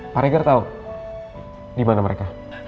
pak reger tahu di mana mereka